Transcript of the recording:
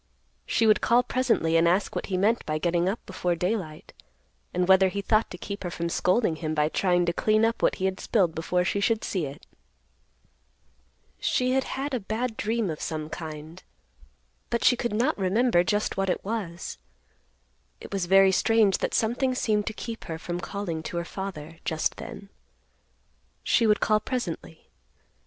She would call presently and ask what he meant by getting up before daylight, and whether he thought to keep her from scolding him by trying to clean up what he had spilled before she should see it. She had had a bad dream of some kind, but she could not remember just what it was. It was very strange that something seemed to keep her from calling to her father just then. She would call presently.